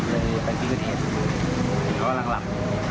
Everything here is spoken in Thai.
เลยไปที่เกิดเห็นเขากำลังหลับ